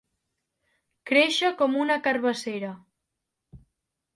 Créixer com una carabassera.